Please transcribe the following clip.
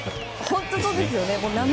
本当にそうですよね。